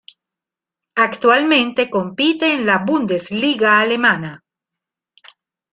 Actualmente compite en la Bundesliga alemana.